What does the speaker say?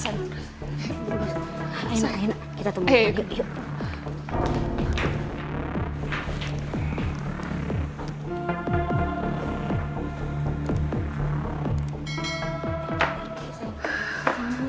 kita tunggu lagi